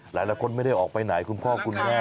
หลายคนไม่ได้ออกไปไหนคุณพ่อคุณแม่